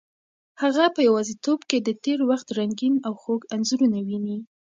هغه په یوازیتوب کې د تېر وخت رنګین او خوږ انځورونه ویني.